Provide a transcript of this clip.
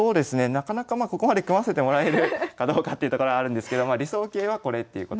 なかなかまあここまで組ませてもらえるかどうかっていうところあるんですけど理想型はこれっていうことですよね。